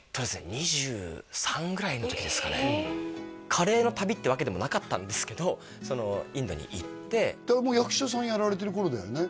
カレーの旅ってわけでもなかったんですけどインドに行って役者さんやられてる頃だよね？